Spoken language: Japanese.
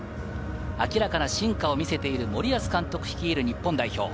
明らかな進化を見せている森保監督率いる日本代表。